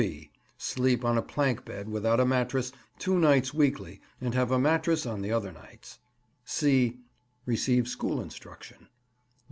(b) Sleep on a plank bed without a mattress two nights weekly and have a mattress on the other nights. (c) Receive school instruction.